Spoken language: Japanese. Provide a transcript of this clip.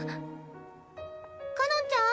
かのんちゃん？